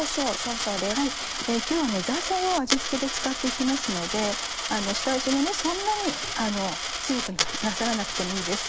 今日はザーサイを味付けで使って行きますので下味もそんなに強くなさらなくてもいいです。